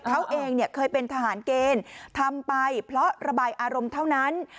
เขาเองเคยเป็นทหารเกณฑ์ทำไปเพราะระบายอารมณ์เท่านั้น